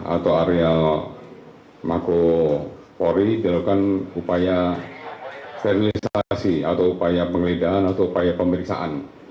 atau area maku pores dilakukan upaya sterilisasi atau upaya pengelidahan atau upaya pemeriksaan